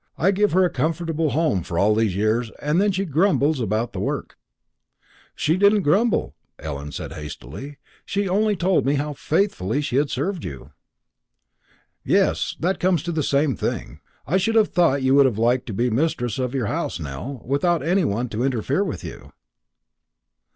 "I give her a comfortable home for all these years, and then she grumbles about the work." "She didn't grumble," said Ellen hastily. "She only told me how faithfully she had served you." "Yes; that comes to the same thing. I should have thought you would have liked to be mistress of your house, Nell, without any one to interfere with you."